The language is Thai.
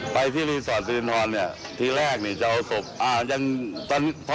ไปที่รีสอร์ทสิรินทรอนที่แรกจะเอาศพ